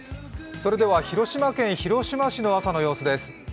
それでは広島県広島市の朝の様子です。